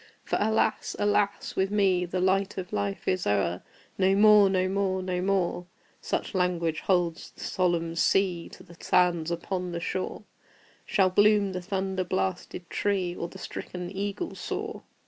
For, alas! alas! with me The light of Life is o'er! "No more no more no more" (Such language holds the solemn sea To the sands upon the shore) Shall bloom the thunder blasted tree, Or the stricken eagle soar!